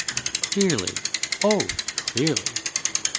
Clearly, oh clearly!